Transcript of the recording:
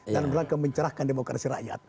dan mencerahkan demokrasi rakyat